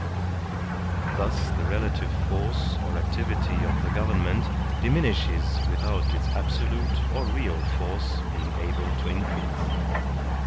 Thus the relative force or activity of the government dimin ishes without its absolute or real force being able to in crease.